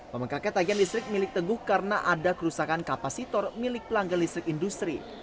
memengkaknya tagihan listrik milik teguh karena ada kerusakan kapasitor milik pelanggan listrik industri